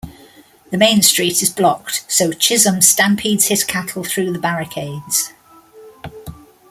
The main street is blocked, so Chisum stampedes his cattle through the barricades.